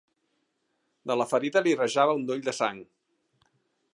De la ferida li rajava un doll de sang.